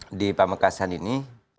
nah di pamekasan ini